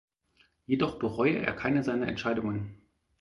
Jedoch bereue er keine seiner Entscheidungen.